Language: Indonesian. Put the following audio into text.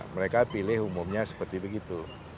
mereka pilih umumnya seperti begitu